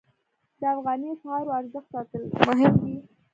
د افغانۍ اسعارو ارزښت ساتل مهم دي